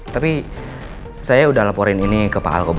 tapi saya udah laporin ini ke pak alko bu